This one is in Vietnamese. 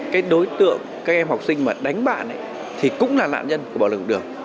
cái đối tượng các em học sinh mà đánh bạn ấy thì cũng là nạn nhân của bạo lực học đường